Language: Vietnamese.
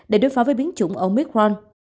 để đối phó với biến chủng omicron